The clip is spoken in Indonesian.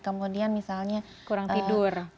kemudian misalnya kurang tidur